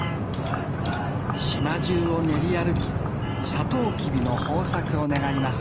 島中を練り歩きサトウキビの豊作を願います